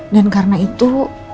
dan karena itu